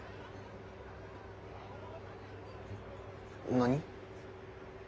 何？